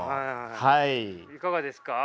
いかがですか？